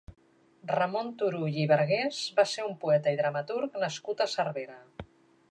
Ramon Turull i Bargués va ser un poeta i dramaturg nascut a Cervera.